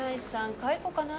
解雇かな？